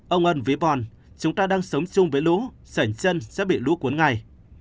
ông ân viết bòn chúng ta đang sống chung với lũ sảnh chân sẽ bị lũ cuốn ngay